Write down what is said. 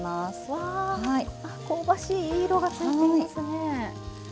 わあ香ばしいいい色がついていますねえ。